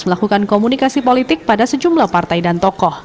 melakukan komunikasi politik pada sejumlah partai dan tokoh